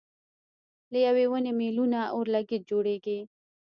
له یوې ونې مېلیونه اورلګیت جوړېږي.